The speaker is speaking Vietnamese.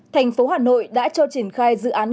thành phố hà nội đã cho triển khai dự án